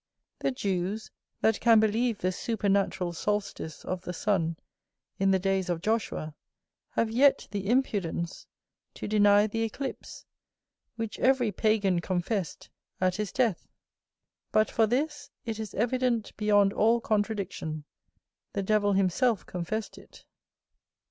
The Jews, that can believe the supernatural solstice of the sun in the days of Joshua, have yet the impudence to deny the eclipse, which every pagan confessed, at his death; but for this, it is evident beyond all contradiction: the devil himself confessed it.